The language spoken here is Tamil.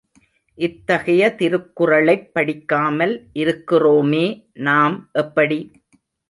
இத்தகைய திருக்குறளைப் படிக்காமல் இருக்கிறோமே நாம் எப்படி?